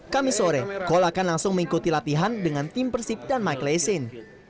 kamis sore cole akan langsung mengikuti latihan dengan tim persib dan michael essien